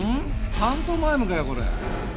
パントマイムかよこれ。